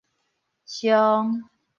誦